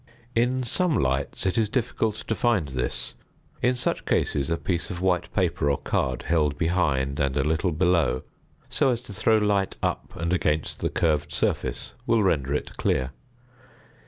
In some lights it is difficult to find this; in such cases a piece of white paper or card held behind and a little below, so as to throw light up and against the curved surface, will render it clear.